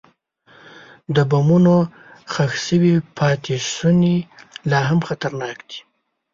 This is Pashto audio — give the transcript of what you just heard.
د بمونو ښخ شوي پاتې شوني لا هم خطرناک دي.